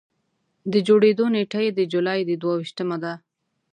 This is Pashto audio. د جوړېدو نېټه یې د جولایي د دوه ویشتمه ده.